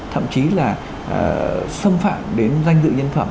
thậm chí là xâm phạm đến danh dự nhân phẩm